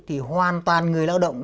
thì hoàn toàn người lao động